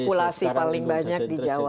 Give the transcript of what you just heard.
populasi paling banyak di jawa